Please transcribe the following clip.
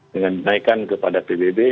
dengan dinaikkan kepada pbb